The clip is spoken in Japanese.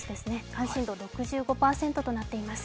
関心度６５％となっています。